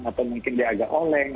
atau mungkin dia agak oleng